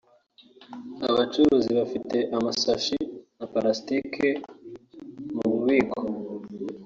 abacuruzi bafite amasashi na Pulasitike mu bubiko